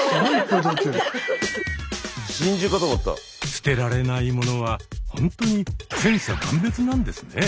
捨てられない物はほんとに千差万別なんですね。